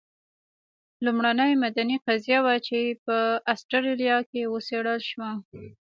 لومړنۍ مدني قضیه وه چې په اسټرالیا کې وڅېړل شوه.